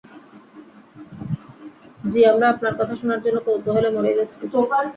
জ্বি, আমরা আপনার কথা শোনার জন্য কৌতুহলে মরেই যাচ্ছি!